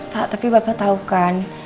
pak tapi bapak tahu kan